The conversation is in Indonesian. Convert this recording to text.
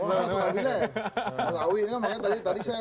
masuk kabinet makanya tadi saya